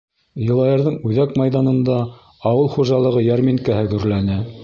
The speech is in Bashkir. Йылайырҙың үҙәк майҙанында ауыл хужалығы йәрминкәһе гөрләне.